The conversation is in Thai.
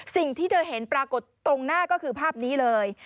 สิ่งที่เธอเห็นปรากฏตรงหน้าก็คือภาพนี้เลย